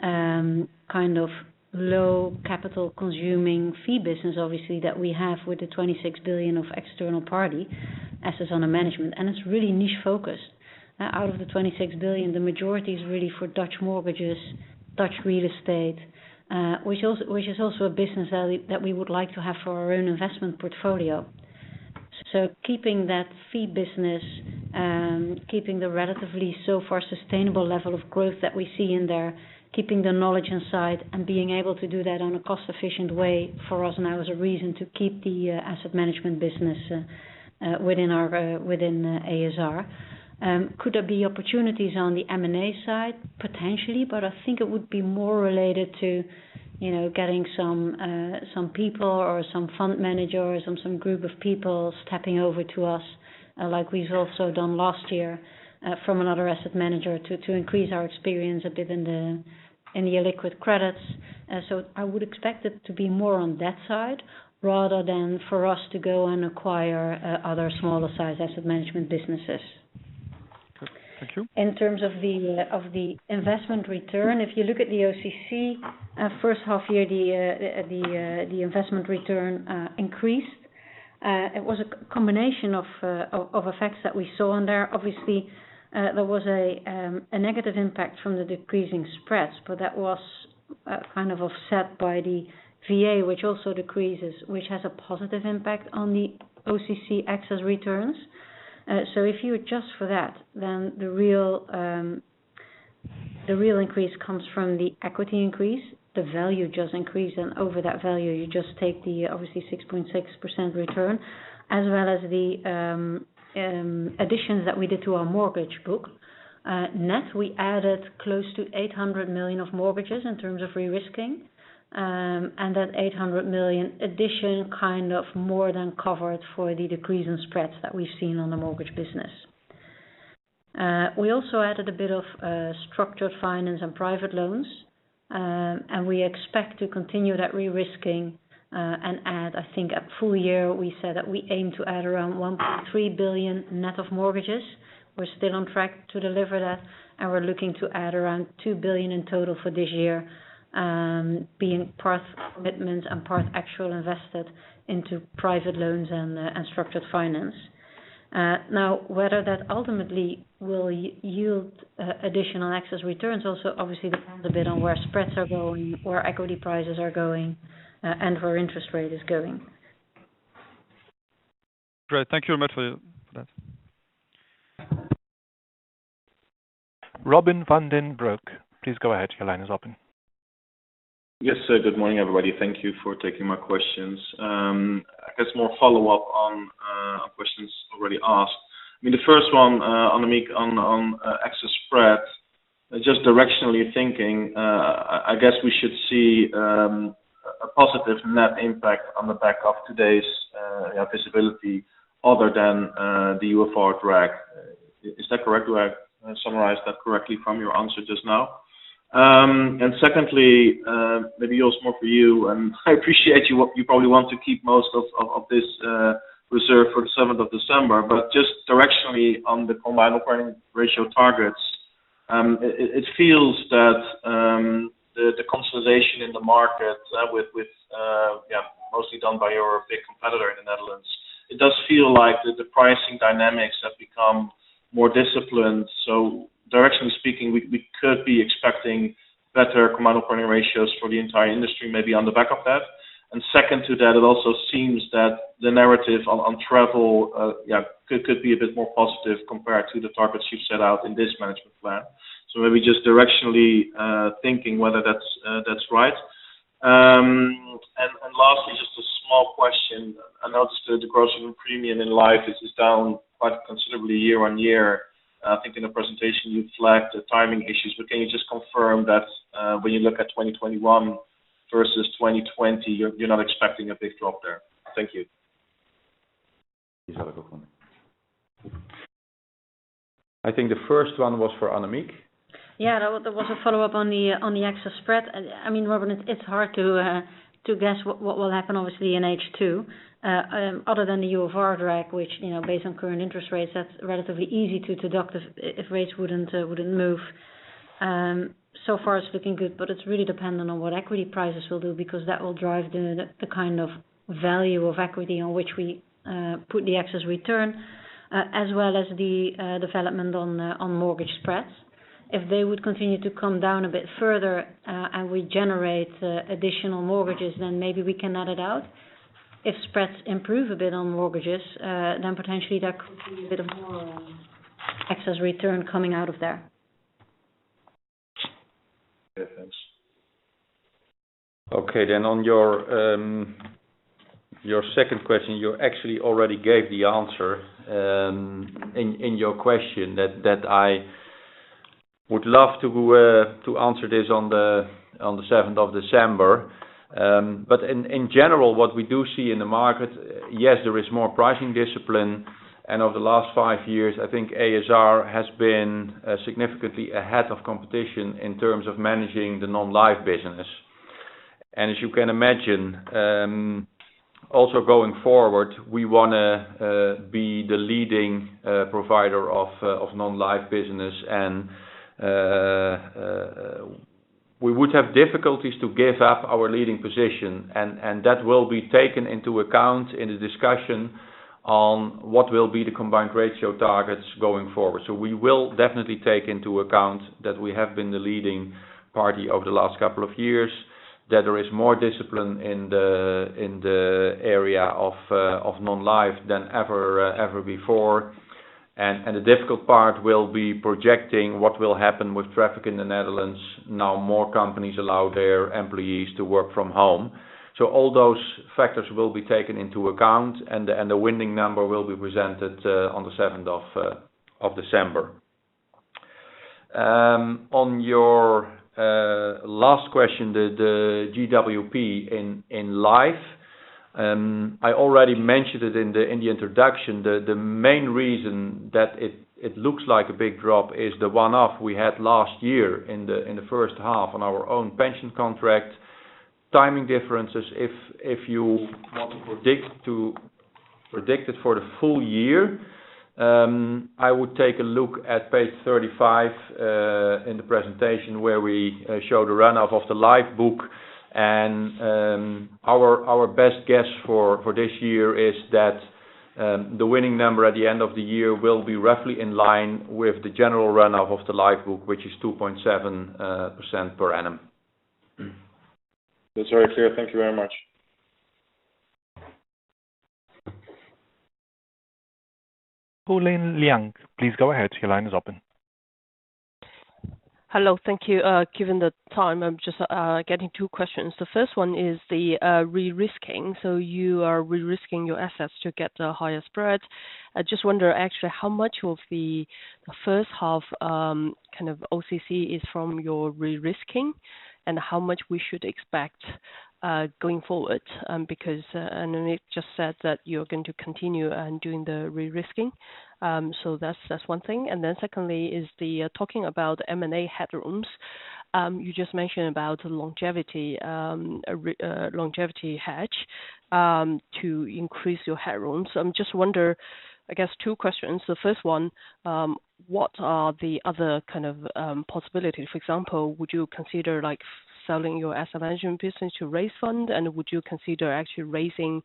kind of low capital consuming fee business, obviously, that we have with the 26 billion of external party assets under management. It's really niche focused. Out of the 26 billion, the majority is really for Dutch mortgages, Dutch real estate, which is also a business that we would like to have for our own investment portfolio. Keeping that fee business, keeping the relatively, so far, sustainable level of growth that we see in there, keeping the knowledge inside, and being able to do that on a cost-efficient way for us now is a reason to keep the asset management business within ASR. Could there be opportunities on the M&A side? Potentially, I think it would be more related to getting some people or some fund managers or some group of people stepping over to us, like we've also done last year from another asset manager to increase our experience a bit in the illiquid credits. I would expect it to be more on that side rather than for us to go and acquire other smaller size asset management businesses. Okay. Thank you. In terms of the investment return, if you look at the OCC first half year, the investment return increased. It was a combination of effects that we saw on there. Obviously, there was a negative impact from the decreasing spreads, but that was kind of offset by the VA, which also decreases, which has a positive impact on the OCC excess returns. If you adjust for that, then the real increase comes from the equity increase, the value just increase, and over that value, you just take the obviously 6.6% return, as well as the additions that we did to our mortgage book. Net, we added close to 800 million of mortgages in terms of re-risking. That 800 million addition more than covered for the decrease in spreads that we've seen on the mortgage business. We also added a bit of structured finance and private loans, and we expect to continue that re-risking and add, I think a full year, we said that we aim to add around 1.3 billion net of mortgages. We're still on track to deliver that, and we're looking to add around 2 billion in total for this year, being part commitment and part actual invested into private loans and structured finance. Now, whether that ultimately will yield additional excess returns also obviously depends a bit on where spreads are going, where equity prices are going, and where interest rate is going. Great. Thank you very much for that. Robin van den Broek, please go ahead. Your line is open. Yes, sir. Good morning, everybody. Thank you for taking my questions. I guess more follow-up on questions already asked. The first one, Annemiek, on excess spread, just directionally thinking, I guess we should see a positive net impact on the back of today's visibility other than the UFR drag. Is that correct? Do I summarize that correctly from your answer just now? Secondly, maybe Jos, more for you, and I appreciate you probably want to keep most of this reserve for the 7th of December, but just directionally on the combined operating ratio targets, it feels that the consolidation in the market mostly done by your big competitor in the Netherlands. It does feel like the pricing dynamics have become more disciplined. Directionally speaking, we could be expecting better combined operating ratios for the entire industry, maybe on the back of that. Second to that, it also seems that the narrative on travel could be a bit more positive compared to the targets you've set out in this management plan. Maybe just directionally thinking whether that's right. Lastly, just a small question. I noticed the gross premium in life is down quite considerably year-on-year. I think in the presentation you flagged the timing issues. Can you just confirm that when you look at 2021 versus 2020, you're not expecting a big drop there? Thank you. Please have a go, Jos Baeten. I think the first one was for Annemiek. Yeah, that was a follow-up on the excess spread. Robin, it's hard to guess what will happen, obviously, in H2 other than the UFR drag, which, based on current interest rates, that's relatively easy to deduct if rates wouldn't move. Far it's looking good, but it's really dependent on what equity prices will do because that will drive the kind of value of equity on which we put the excess return, as well as the development on mortgage spreads. If they would continue to come down a bit further and we generate additional mortgages, then maybe we can net it out. If spreads improve a bit on mortgages, then potentially there could be a bit of more excess return coming out of there. Second. On your second question, you actually already gave the answer in your question that I would love to answer this on the 7th of December. In general, what we do see in the market, yes, there is more pricing discipline, and over the last five years, I think ASR has been significantly ahead of competition in terms of managing the non-life business. As you can imagine, also going forward, we want to be the leading provider of non-life business, and we would have difficulties to give up our leading position, and that will be taken into account in the discussion on what will be the combined ratio targets going forward. We will definitely take into account that we have been the leading party over the last couple of years, that there is more discipline in the area of non-life than ever before. The difficult part will be projecting what will happen with traffic in the Netherlands now more companies allow their employees to work from home. All those factors will be taken into account, and the winning number will be presented on the 7th of December. On your last question, the GWP in life, I already mentioned it in the introduction. The main reason that it looks like a big drop is the one-off we had last year in the first half on our own pension contract. Timing differences, if you want to predict it for the full year, I would take a look at page 35 in the presentation where we show the run-off of the life book. Our best guess for this year is that the winning number at the end of the year will be roughly in line with the general run-off of the life book, which is 2.7% per annum. That's very clear. Thank you very much. Fulin Liang, please go ahead. Your line is open. Hello. Thank you. Given the time, I'm just getting two questions. The first one is the re-risking. You are re-risking your assets to get the higher spreads. I just wonder actually how much of the first half OCC is from your re-risking, and how much we should expect going forward. Annemiek just said that you're going to continue doing the re-risking. That's one thing. Secondly is talking about M&A headrooms. You just mentioned about longevity hedge to increase your headrooms. I just wonder, I guess two questions. The first one, what are the other kind of possibilities? For example, would you consider selling your asset management business to raise funds? Would you consider actually raising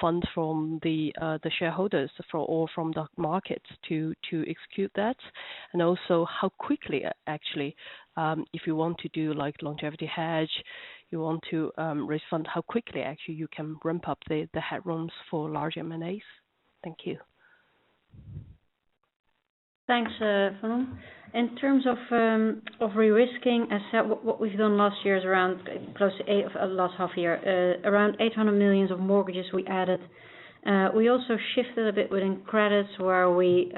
funds from the shareholders or from the markets to execute that? Also how quickly, actually, if you want to do longevity hedge, you want to raise fund, how quickly actually you can ramp up the headrooms for large M&As? Thank you. Thanks. In terms of re-risking, what we've done last half year, around 800 million of mortgages we added. We also shifted a bit within credits where we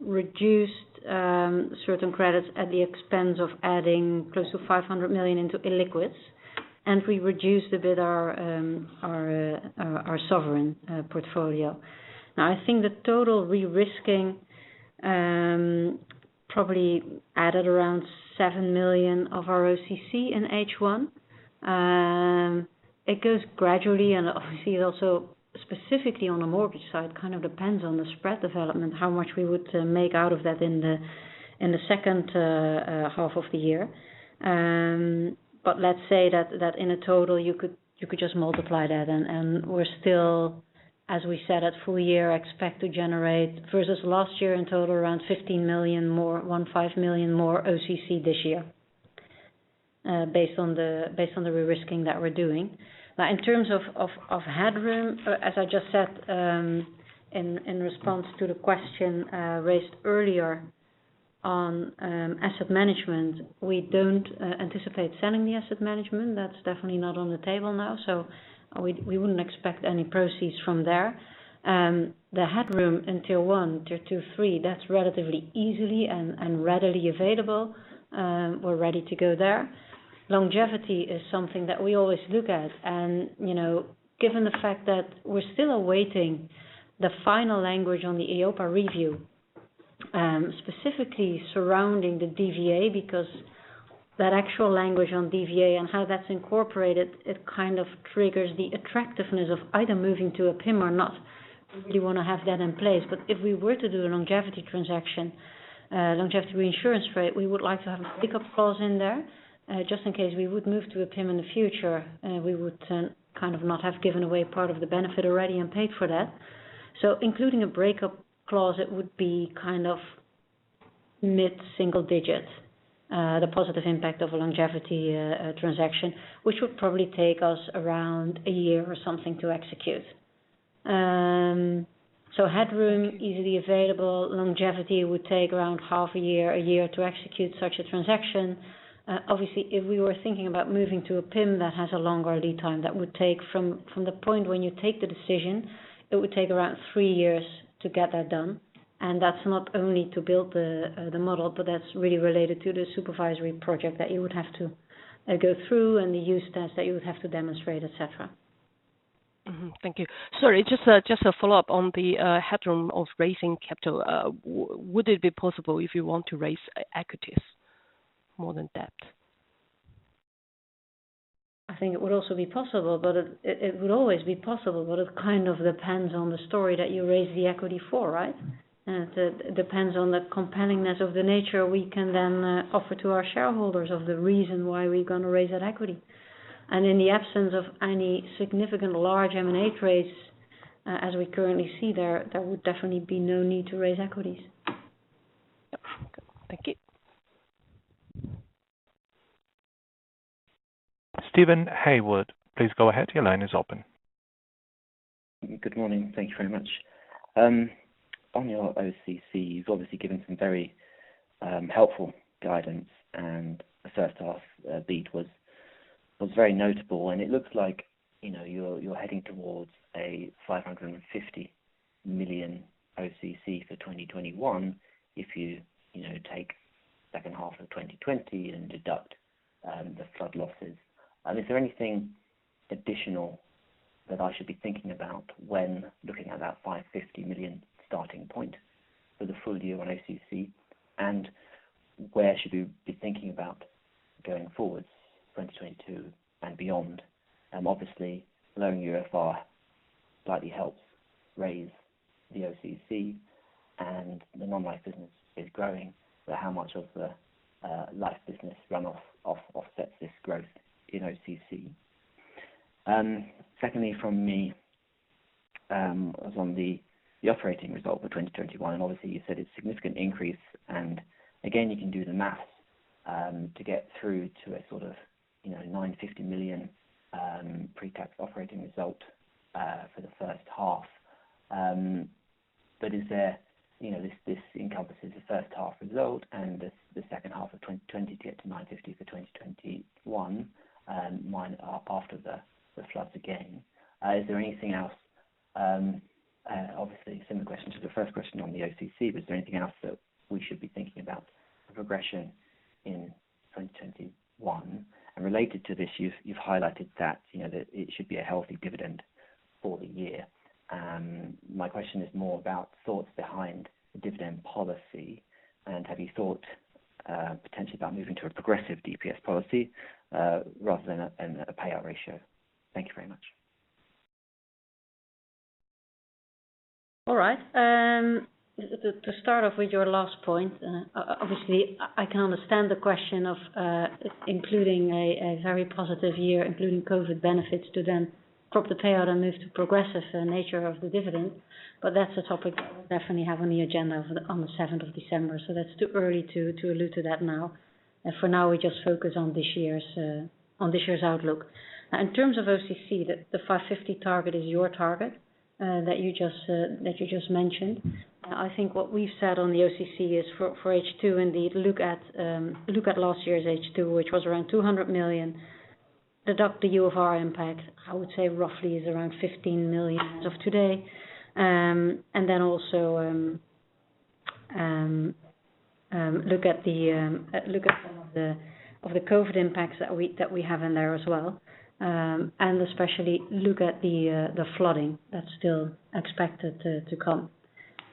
reduced certain credits at the expense of adding close to 500 million into illiquids. We reduced a bit our sovereign portfolio. I think the total re-risking probably added around 7 million of our OCC in H1. It goes gradually, obviously also specifically on the mortgage side, kind of depends on the spread development, how much we would make out of that in the second half of the year. Let's say that in a total, you could just multiply that, we're still, as we said, at full year, expect to generate versus last year, in total around 15 million more OCC this year based on the re-risking that we're doing. In terms of headroom, as I just said in response to the question raised earlier on asset management, we don't anticipate selling the asset management. That's definitely not on the table now. We wouldn't expect any proceeds from there. The headroom until 123, that's relatively easily and readily available. We're ready to go there. Longevity is something that we always look at and given the fact that we're still awaiting the final language on the EIOPA review, specifically surrounding the DVA, because that actual language on DVA and how that's incorporated, it kind of triggers the attractiveness of either moving to a PIM or not. We really want to have that in place. If we were to do a longevity transaction, longevity reinsurance rate, we would like to have a breakup clause in there, just in case we would move to a PIM in the future. We would kind of not have given away part of the benefit already and paid for that. Including a breakup clause, it would be kind of mid-single digit, the positive impact of a longevity transaction, which would probably take us around a year or something to execute. Headroom, easily available. Longevity would take around half a year, a year to execute such a transaction. Obviously, if we were thinking about moving to a PIM that has a longer lead time, that would take from the point when you take the decision, it would take around three years to get that done. That's not only to build the model, but that's really related to the supervisory project that you would have to go through and the use test that you would have to demonstrate, et cetera. Thank you. Sorry, just a follow-up on the headroom of raising capital. Would it be possible if you want to raise equities more than debt? I think it would also be possible, but it kind of depends on the story that you raise the equity for, right? It depends on the compellingness of the nature we can then offer to our shareholders of the reason why we're going to raise that equity. In the absence of any significant large M&A trades as we currently see, there would definitely be no need to raise equities. Thank you. Steven Haywood, please go ahead. Your line is open. Good morning. Thank you very much. On your OCC, you've obviously given some very helpful guidance, and the first half beat was very notable, and it looks like you're heading towards a 550 million OCC for 2021 if you take second half of 2020 and deduct the flood losses. Is there anything additional that I should be thinking about when looking at that 550 million starting point for the full year on OCC? Where should we be thinking about going forwards 2022 and beyond? Obviously, lowering UFR slightly helps raise the OCC, and the non-life business is growing. How much of the life business runoff offsets this growth in OCC? Secondly from me, was on the operating result for 2021, obviously you said it's significant increase. Again, you can do the math to get through to a sort of 950 million pre-tax operating result for the first half. This encompasses the first half result and the second half of 2020 to get to 950 for 2021, mine after the floods again. Is there anything else, obviously similar question to the first question on the OCC, but is there anything else that we should be thinking about the progression in 2021? Related to this, you've highlighted that it should be a healthy dividend for the year. My question is more about thoughts behind the dividend policy, and have you thought potentially about moving to a progressive DPS policy, rather than a payout ratio? Thank you very much. All right. To start off with your last point, obviously I can understand the question of including a very positive year, including COVID benefits to then drop the payout and move to progressive nature of the dividend. That's a topic that we'll definitely have on the agenda on the 7th of December. That's too early to allude to that now. For now, we just focus on this year's outlook. In terms of OCC, the 550 target is your target that you just mentioned. I think what we've said on the OCC is for H2, indeed, look at last year's H2, which was around 200 million. Deduct the UFR impact, I would say roughly is around 15 million as of today. Then also look at some of the COVID impacts that we have in there as well and especially look at the flooding that's still expected to come.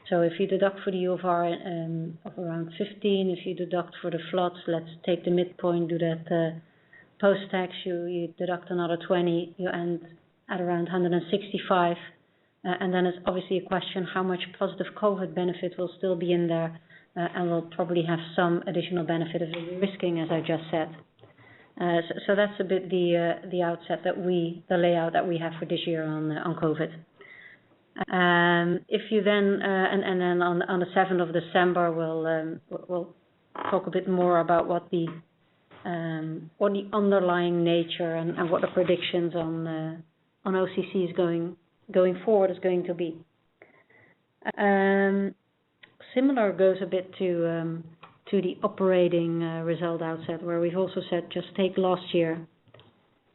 If you deduct for the UFR of around 15, if you deduct for the floods, let's take the midpoint, do that post-tax, you deduct another 20, you end at around 165. It's obviously a question how much positive COVID benefit will still be in there, and we'll probably have some additional benefit of de-risking, as I just said. That's a bit the layout that we have for this year on COVID. On the 7th of December, we'll talk a bit more about what the underlying nature and what the predictions on OCC is going forward is going to be. Similar goes a bit to the operating result outset, where we've also said just take last year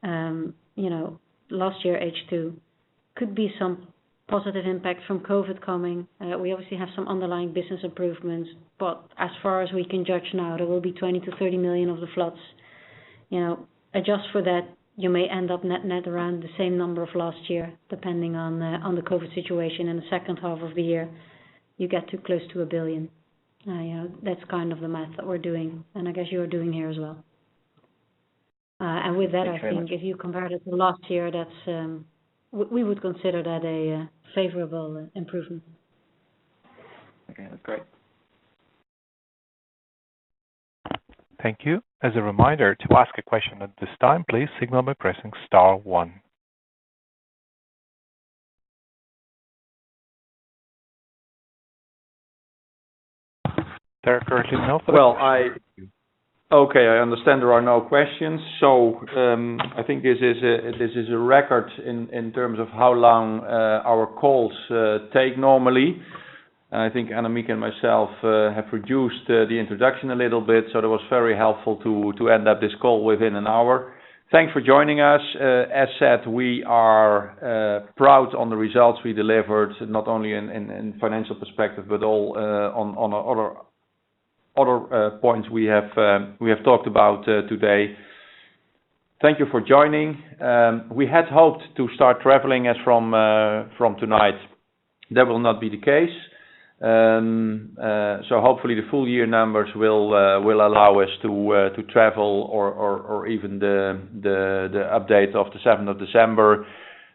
H2, could be some positive impact from COVID coming. We obviously have some underlying business improvements, but as far as we can judge now, there will be 20 million-30 million of the floods. Adjust for that, you may end up net around the same number of last year, depending on the COVID situation in the second half of the year. You get to close to 1 billion. That's kind of the math that we're doing, and I guess you are doing here as well. Thank you very much. With that, I think if you compare it to last year, we would consider that a favorable improvement. Okay. That's great. Thank you as a reminder to ask a question press star one. There are currently no questions. I understand there are no questions. I think this is a record in terms of how long our calls take normally. I think Annemiek and myself have reduced the introduction a little bit, so that was very helpful to end up this call within an hour. Thanks for joining us. As said, we are proud on the results we delivered, not only in financial perspective, but all on other points we have talked about today. Thank you for joining. We had hoped to start traveling as from tonight. That will not be the case. Hopefully the full year numbers will allow us to travel or even the update of the 7th of December.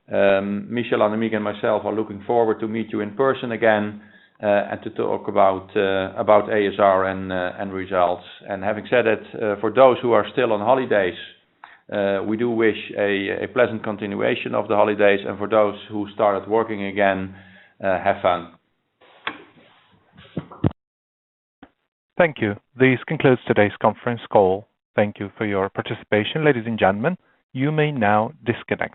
Michel, Annemiek, and myself are looking forward to meet you in person again, and to talk about ASR and results. Having said that, for those who are still on holidays, we do wish a pleasant continuation of the holidays, and for those who started working again, have fun. Thank you. This concludes today's conference call. Thank you for your participation. Ladies and gentlemen, you may now disconnect